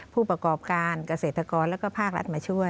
ผู้ประกอบการเกษตรกรแล้วก็ภาครัฐมาช่วย